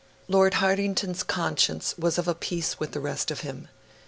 Lord Hartington's conscience was of a piece with the rest of him.